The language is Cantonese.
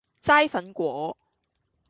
齋粉果